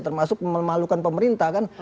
termasuk memalukan pemerintah kan